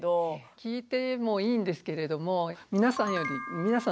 聞いてもいいんですけれども皆さんより皆さん